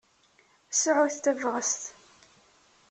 Sɛut tabɣest!